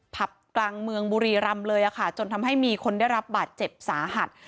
ผับกลางเมืองบุรีรำเลยค่ะจนทำให้มีคนได้รับบาดเจ็บสาหัส